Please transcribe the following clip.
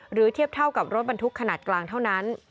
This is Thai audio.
เทียบเท่ากับรถบรรทุกขนาดกลางเท่านั้น